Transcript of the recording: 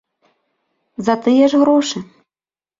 За тыя ж грошы.